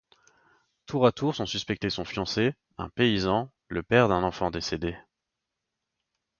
Tour à tour, sont suspectés son fiancé, un paysan, le père d'un enfant décédé...